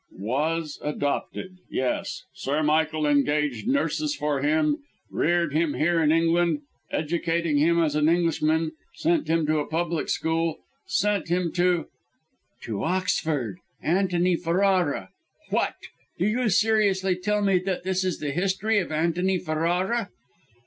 "Was adopted, yes. Sir Michael engaged nurses for him, reared him here in England, educating him as an Englishman, sent him to a public school, sent him to " "To Oxford! Antony Ferrara! What! Do you seriously tell me that this is the history of Antony Ferrara?"